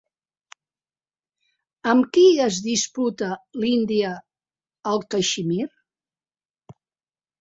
Amb qui es disputa l'Índia el Caixmir?